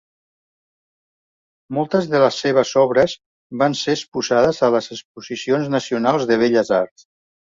Moltes de les seves obres van ser exposades a les Exposicions Nacionals de Belles Arts.